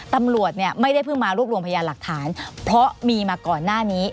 ตำรวจเนี่ยไม่ได้เพิ่งมารวบรวมพยานหลักฐานเพราะมีมาก่อนหน้านี้